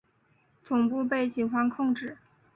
总部被警方监控。